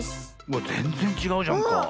わっぜんぜんちがうじゃんか。